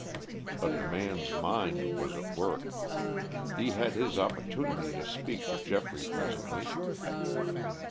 But the man's mind was at work. He had his opportunity to speak to Geoffrey presently.